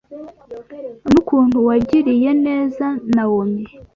n’ukuntu wagiriye neza Nawomi.